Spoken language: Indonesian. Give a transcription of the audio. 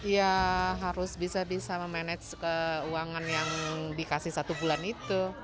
ya harus bisa bisa memanage keuangan yang dikasih satu bulan itu